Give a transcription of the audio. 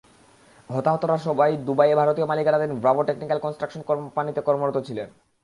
হতাহতরা সবাই দুবাইয়ে ভারতীয় মালিকানাধীন ব্রাভো টেকনিক্যাল কন্সট্রাকশন কোম্পানিতে কর্মরত ছিলেন।